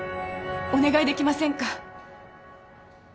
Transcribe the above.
お願いできませんか？